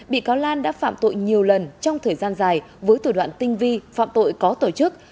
bị cáo lan đã phạm tội nhiều lần trong thời gian dài với thủ đoạn tinh vi phạm tội có tổ chức